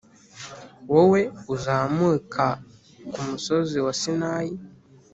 Wowe uzamuka ku musozi wa Sinayi